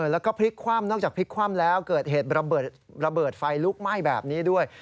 แล้วก็พลิกคว่ำนอกจากพลิกคว่ำแล้วเกิดเหตุระเบิดไฟลุกไหม้แบบนี้ด้วย